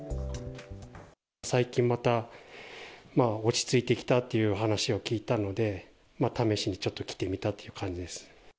最近また、まあ、落ち着いてきたっていう話は聞いたので、試しにちょっと来てみたっていう感じです。